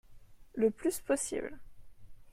Le plus possible.